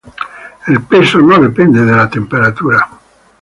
El peso no depende de la temperatura.